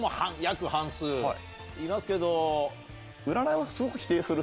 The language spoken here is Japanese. いますけど。